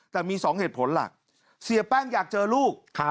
แต่มี๒เหตุผลหลักเสียแป้งอยากเจอลูก